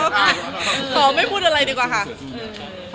ขอไม่พูดอะไรดีกว่าค่ะ